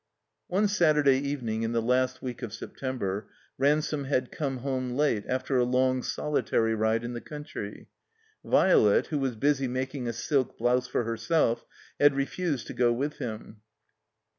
One Saturday evening in the last week of Septem ber Ransome had come home late after a long solitary ride in the coimtry. Violet, who was busy making a silk blouse for herself, had refused to go with him.